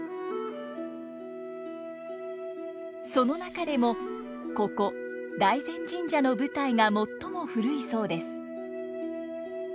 その中でもここ大膳神社の舞台が最も古いそうです。